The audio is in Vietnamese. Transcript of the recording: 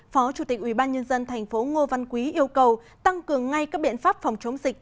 phó chủ tịch ubnd tp ngô văn quý yêu cầu tăng cường ngay các biện pháp phòng chống dịch